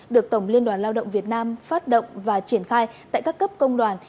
được tổng liên đoàn lao động việt nam phát động và triển khai tại các cấp công đoàn